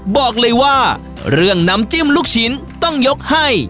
บอกเลยว่าเรื่องน้ำจิ้มลูกชิ้นต้องยกให้